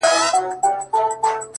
• د کور مغول مو له نکلونو سره لوبي کوي,